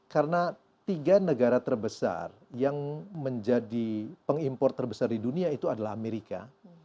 karena tiga negara terbesar yang menjadi pengimpor terbesar di dunia itu adalah amerika